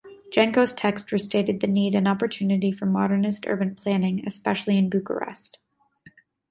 Janco's text restated the need and opportunity for modernist urban planning, especially in Bucharest.